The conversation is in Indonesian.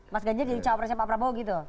mas ganjar jadi cawapresnya pak prabowo gitu